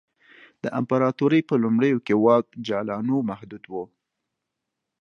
د امپراتورۍ په لومړیو کې واک جالانو محدود و